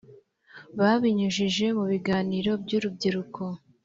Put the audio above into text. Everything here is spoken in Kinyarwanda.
babinyujije mu biganiro by’urubyiruko